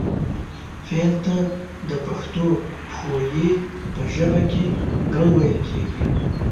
فعل ته د پښتو پښويې په ژبه کې کړ ويل کيږي